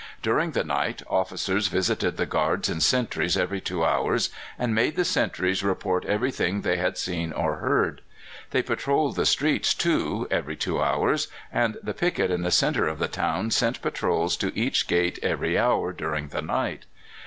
During the night officers visited the guards and sentries every two hours, and made the sentries report everything they had seen or heard. They patrolled the streets, too, every two hours, and the picket in the centre of the town sent patrols to each gate every hour during the night.